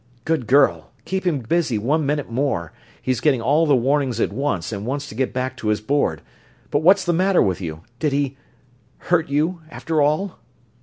"Good girl keep him busy one minute more he's getting all the warnings at once and wants to get back to his board. But what's the matter with you? Did he ... hurt you, after all?"